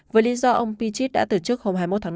với lý do ông pichit đã từ chức hôm hai mươi một tháng năm